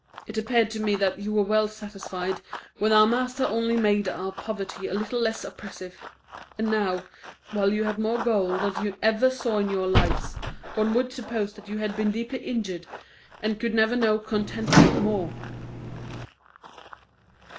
It appeared to me that you were well satisfied when our master only made our poverty a little less oppressive; and now, while you have more gold than you ever saw in your lives, one would suppose that you had been deeply injured, and could never know contentment more."